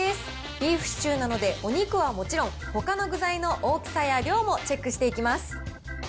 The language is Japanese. ビーフシチューなので、お肉はもちろん、ほかの具材の大きさや量もチェックしていきます。